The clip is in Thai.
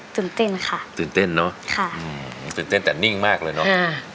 ตื่นเต้นค่ะตื่นเต้นเนอะค่ะอืมตื่นเต้นแต่นิ่งมากเลยเนอะ